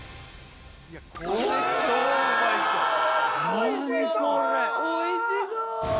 おいしそう。